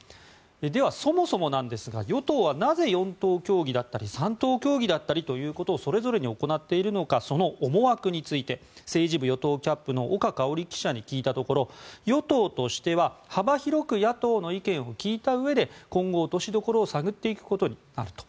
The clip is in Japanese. では、そもそもなんですが与党はなぜ４党協議だったり３党協議だったりということをそれぞれに行っているのかその思惑について政治部与党キャップの岡香織記者に聞いたところ与党としては幅広く野党の意見を聞いたうえで今後、落としどころを探っていくことになると。